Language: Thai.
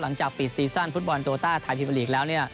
หลังจากปีซีซั่นฟุตบอลโต้ต้าไทยพีมอลีกแล้วเนี่ย